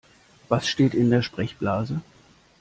Was steht in der Sprechblase?